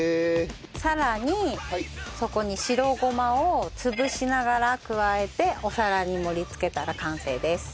さらにそこに白ごまを潰しながら加えてお皿に盛り付けたら完成です。